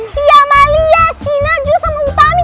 si amalia si najwa sama utami